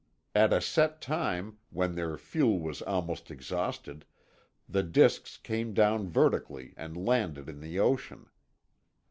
At a set time, when their fuel was almost exhausted, the disks came down vertically and landed in the ocean.